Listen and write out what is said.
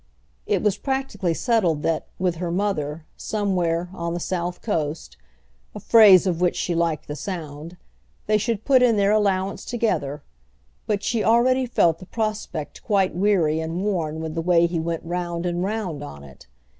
It was practically settled that, with her mother, somewhere "on the south coast" (a phrase of which she liked the sound) they should put in their allowance together; but she already felt the prospect quite weary and worn with the way he went round and round on it.